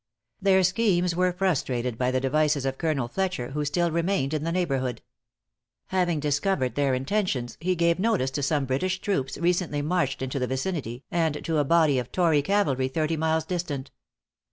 Their schemes were frustrated by the devices of Colonel Fletcher, who still remained in the neighborhood. Having discovered their intentions, he gave notice to some British troops recently marched into the vicinity, and to a body of tory cavalry thirty miles distant.